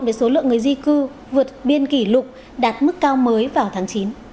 về số lượng người di cư vượt biên kỷ lục đạt mức cao mới vào tháng chín